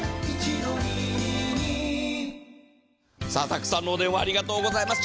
たくさんのお電話ありがとうございます。